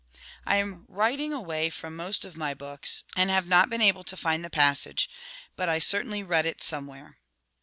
I am writ 105 ing away from most of my books, and have not been able to find the passage; but I certainly read it somewhere.